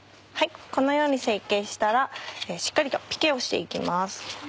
このように成形したらしっかりとピケをして行きます。